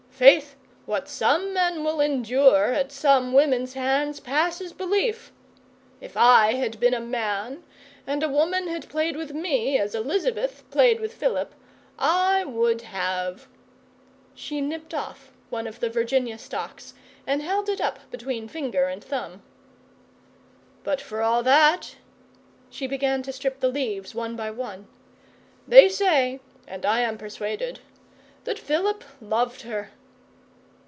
'Faith, what some men will endure at some women's hands passes belief! If I had been a man, and a woman had played with me as Elizabeth played with Philip, I would have ' She nipped off one of the Virginia stocks and held it up between finger and thumb. 'But for all that' she began to strip the leaves one by one 'they say and I am persuaded that Philip loved her.